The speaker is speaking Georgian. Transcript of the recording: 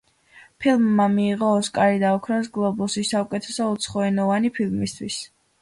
ფილმმა მიიღო ოსკარი და ოქროს გლობუსი საუკეთესო უცხოენოვანი ფილმისთვის.